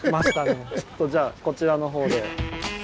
じゃあこちらの方で。